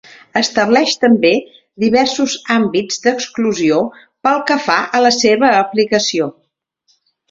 Estableix també diversos àmbits d'exclusió pel que fa a la seva aplicació.